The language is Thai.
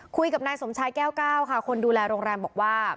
คุยกับนายสมชายแก้วเก้าค่ะคนดูแลโรงแรมบอกว่า